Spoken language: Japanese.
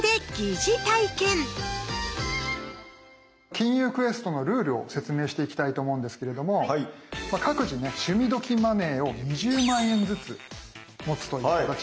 金融クエストのルールを説明していきたいと思うんですけれども各自ね趣味どきマネーを２０万円ずつ持つという形になります。